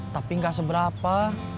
tapi gak seberapa